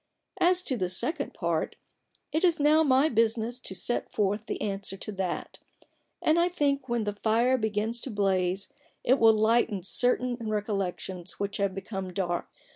As to the second part, it is now my business to set forth the answer to that : and I think when the fire begins to blaze it will lighten certain recollections which have become dark.